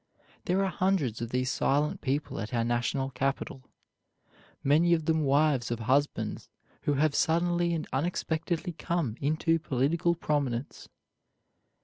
There are hundreds of these silent people at our national capital many of them wives of husbands who have suddenly and unexpectedly come into political prominence.